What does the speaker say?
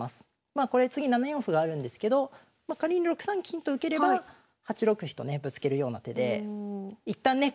まあこれ次に７四歩があるんですけど仮に６三金と受ければ８六飛とねぶつけるような手で一旦ね